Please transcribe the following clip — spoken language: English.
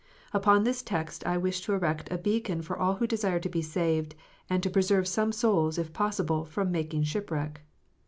Upon this text I wish to erect a beacon for all who desire to be saved, and to preserve some souls, if possible, from making shipwreck.